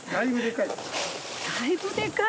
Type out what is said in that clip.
だいぶでかい。